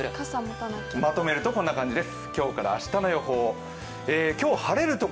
まとめるとこんな感じです。